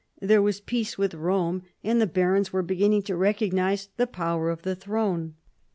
There was peace with Eome, and the barons were beginning to recognise the power of the throne.